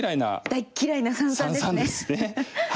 大嫌いな三々ですね。